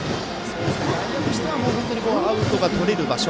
外野としてはアウトがとれる場所。